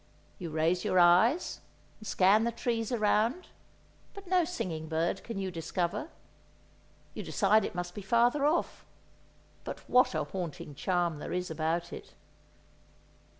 You raise your eyes, and scan the trees around, but no singing bird can you discover; you decide it must be farther off—but what a haunting charm there is about it.